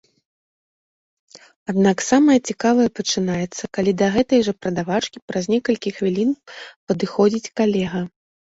Аднак самае цікавае пачынаецца, калі да гэтай жа прадавачкі праз некалькі хвілін падыходзіць калега.